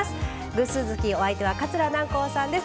偶数月、お相手は桂南光さんです。